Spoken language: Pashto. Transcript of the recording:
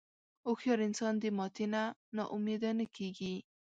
هوښیار انسان د ماتې نه نا امیده نه کېږي.